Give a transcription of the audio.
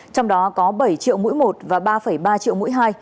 trong đó có bảy triệu mũi một và ba ba triệu mũi hai